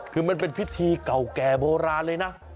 คือมันเป็นพิธีเก่าแก่โบราณเลยนะ